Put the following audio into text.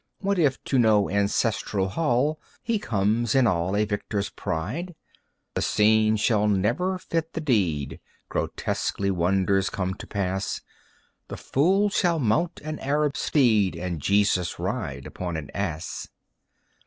What if, to no ancestral hall He comes in all a victor's pride? The scene shall never fit the deed. Grotesquely wonders come to pass. The fool shall mount an Arab steed And Jesus ride upon an ass.